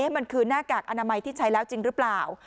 มันคือหน้ากากอนามัยที่ใช้แล้วจริงหรือเปล่า